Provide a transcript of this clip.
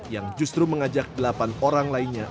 yang justru mengajak delapan orang lainnya